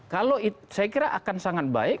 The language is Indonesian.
kalau saya kira akan sangat baik